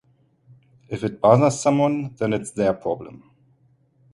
If it bothers someone, then it's their problem.